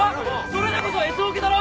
それでこそＳオケだろ？